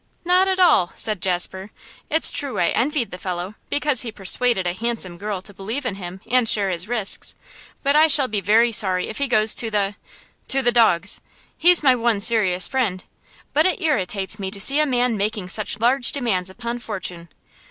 'Not at all,' said Jasper. 'It's true I envied the fellow, because he persuaded a handsome girl to believe in him and share his risks, but I shall be very sorry if he goes to the to the dogs. He's my one serious friend. But it irritates me to see a man making such large demands upon fortune.